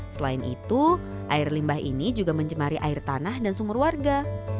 selain itu air limbah ini juga mencemari air tanah dan sumur warga